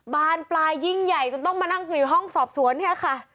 บานปลายยิ่งใหญ่จนต้องมานั่งคุยอยู่ห้องสอบสวนเนี่ยค่ะ